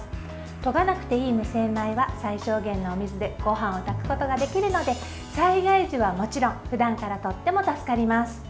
とがなくていい無洗米は最小限のお水でごはんを炊くことができるので災害時はもちろんふだんから、とっても助かります。